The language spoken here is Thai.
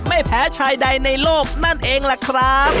ไม่แพ้ชายใดในโลกนั่นเองล่ะครับ